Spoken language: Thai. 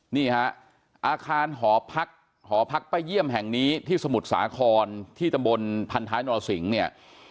นี่ฮะอาคารหอพักหอพักป้าเยี่ยมแห่งนี้ที่สมุทรสาครที่ตำบลพันท้ายนรสิงห์เนี่ย